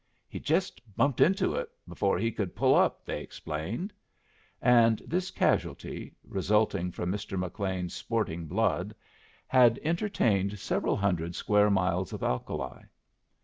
"He jest bumped into it before he could pull up," they explained; and this casualty, resulting from Mr. McLean's sporting blood, had entertained several hundred square miles of alkali.